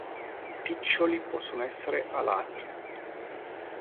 I piccioli possono essere alati.